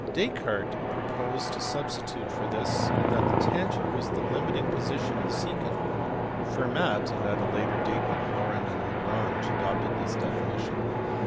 Descartes proposed to substitute for this that the tangent was the limiting position of the secant ; Fermat, and at a later date Maclaurin and Lagrange, adopted this definition.